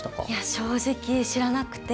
正直、知らなくて。